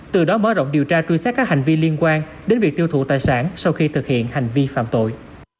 từ đó mở rộng điều tra truy xét các hành vi liên quan đến việc tiêu thụ tài sản sau khi thực hiện hành vi phạm tội